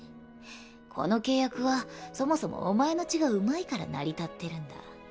この契約はそもそもお前の血がうまいから成り立ってるんだ。